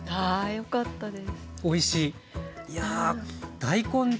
よかったです。